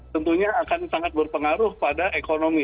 tentunya akan sangat berpengaruh pada ekonomi